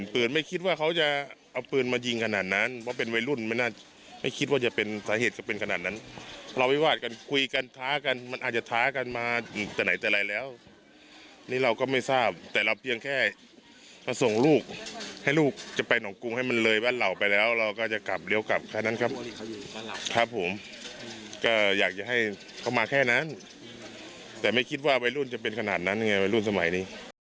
ผมก็อยากให้เขามาแค่นั้นแต่ไม่คิดว่าไว้รุ่นจะเป็นขนาดนั้นไงไว้รุ่นสมัยนี้